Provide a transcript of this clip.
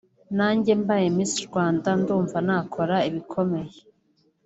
nanjye mbaye Miss Rwanda ndumva nakora ibikomeye